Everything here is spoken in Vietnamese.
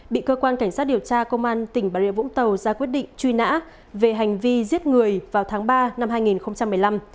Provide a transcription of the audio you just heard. bị cơ quan cảnh sát điều tra công an tỉnh bà rịa vũng tàu ra quyết định truy nã về hành vi giết người vào tháng ba năm hai nghìn một mươi năm